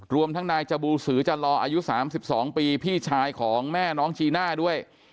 รวมทั้งนายจบูสือจันลออายุ๓๒ปีพี่ชายของแม่น้องจีน่าด้วย